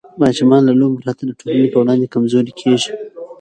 ماشومان له لوبو پرته د ټولنې په وړاندې کمزوري کېږي.